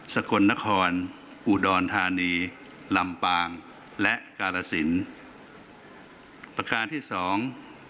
สกลนครอุดรธานีลำปางและกาลสินประการที่สอง